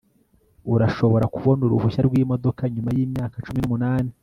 urashobora kubona uruhushya rwimodoka nyuma yimyaka cumi n'umunani